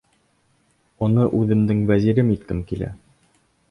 Уны үҙемдең вәзирем иткем килә.